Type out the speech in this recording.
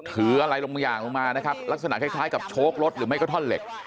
ถืออะไรบางอย่างลงมานะครับลักษณะคล้ายกับโชครถหรือไม่ก็ท่อนเหล็ก